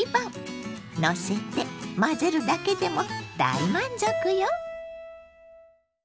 のせて混ぜるだけでも大満足よ！